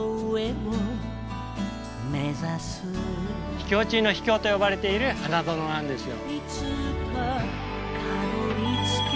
“秘境中の秘境”と呼ばれている花園なんですよ。